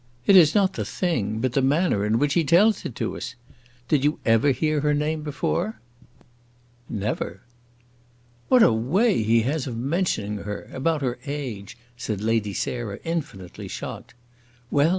It is not the thing, but the manner in which he tells it to us! Did you ever hear her name before?" "Never." "What a way he has of mentioning her; about her age," said Lady Sarah, infinitely shocked. "Well!